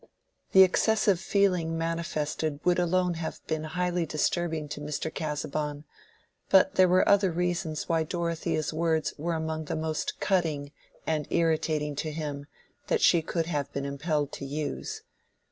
The excessive feeling manifested would alone have been highly disturbing to Mr. Casaubon, but there were other reasons why Dorothea's words were among the most cutting and irritating to him that she could have been impelled to use.